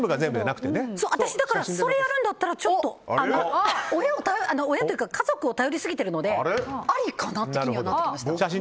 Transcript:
それやるんだったら親というか家族を頼りすぎているのでありかなって気にはなってきました。